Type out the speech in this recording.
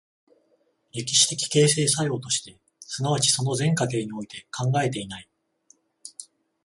歴史的形成作用として、即ちその全過程において考えていない。